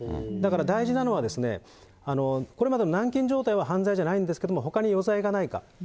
だから、大事なのはですね、それぞれの軟禁状態は犯罪じゃないんだけれども、ほかに余罪がないか。